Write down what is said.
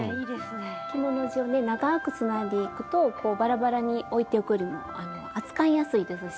着物地をね長くつないでいくとバラバラにおいておくよりも扱いやすいですし。